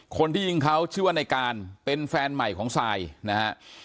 คนที่ยิงเขาชื่อว่าในการเป็นแฟนใหม่ของซายนะฮะ